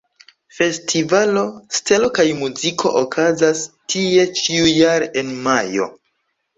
Festivalo "Stelo kaj Muziko" okazas tie ĉiujare en majo.